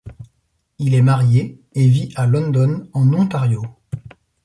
Il est marié et vit à London, en Ontario.